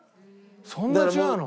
そんな違うの？